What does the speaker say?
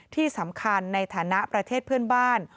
ที่สำคัญในฐานะประเทศเพื่อนบ้าน